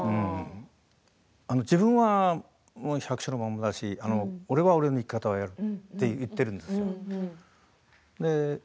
自分はもう百姓のままだし俺は俺の生き方でと言っているんです。